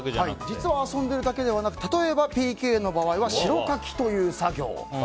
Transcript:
実は遊んでいるだけでなく例えばＰＫの場合は代かきという作業。